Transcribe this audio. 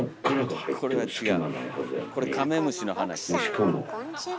これは違う。